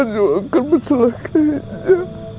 jauh akan mencelakainya